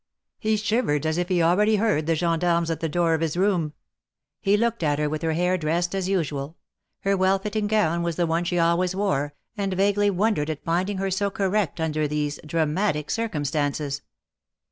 He shivered as if he already heard the gendarmes at the door of his room. He looked at her with her hair dressed as usual ; her well fitting gown was the one she always wore, and vaguely wondered at finding her so correct under these dramatic circumstances.